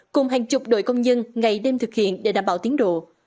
cùng hàng chục đội công nhân ngày đêm thực hiện để đảm bảo tiến độ